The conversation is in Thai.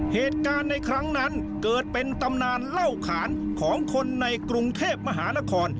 เหตุการณ์ในครั้งนั้นเกิดเป็นตำนานเล่าขานของคนในกรุงเทพมหานคร